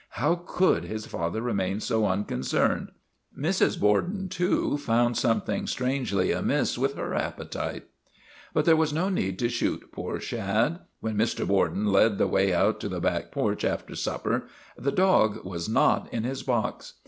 How could his father remain so uncon cerned? Mrs. Borden, too, found something strangely amiss with her appetite. But there was no need to shoot poor Shad. When Mr. Borden led the way out to the back porch after supper the dog was not in his box.